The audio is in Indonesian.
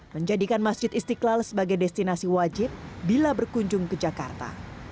menjadikan masjid istiqlal sebagai destinasi wajib bila berkunjung ke jakarta